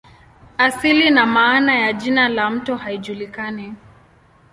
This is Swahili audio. Asili na maana ya jina la mto haijulikani.